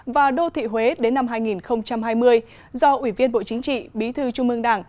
và đô thị huế đến năm hai nghìn hai mươi do ủy viên bộ chính trị bí thư trung ương đảng